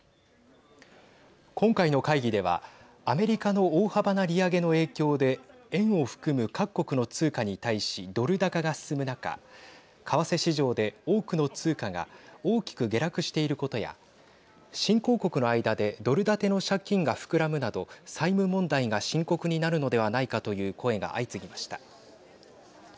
今回の会議では、アメリカの大幅な利上げの影響で円を含む、各国の通貨に対しドル高が進む中為替市場で多くの通貨が大きく下落していることや新興国の間で、ドル建ての借金が膨らむなど債務問題が深刻になるのではないかという声が相次ぎました。